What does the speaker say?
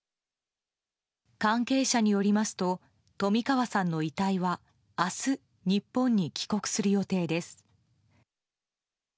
関係者によりますと冨川さんの遺体は明日、日本に帰国する予定です。